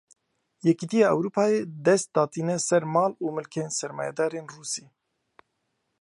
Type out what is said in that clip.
Yekîtiya Ewropayê dest datîne ser mal û milkên sermayedarên Rûsî.